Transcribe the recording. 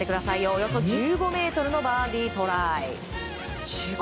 およそ１５ｍのバーディートライ。